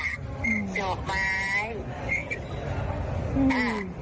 ลงไปลงไปแล้วก็ถามกฎมาช่วยแล้วด้วยจริง